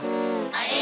あれ？